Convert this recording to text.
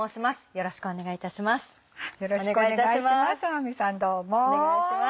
よろしくお願いします